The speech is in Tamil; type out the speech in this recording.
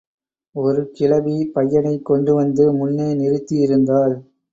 ஒரு கிழவி பையனைக் கொண்டு வந்து முன்னே நிறுத்தி இருந்தாள்.